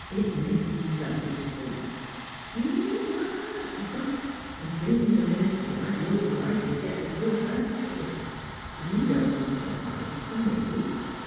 It makes lovely soup. You didn't know it? ... Bein' the minister's wife you'll likely git a good bag full. You don't need t' let on it's fer me.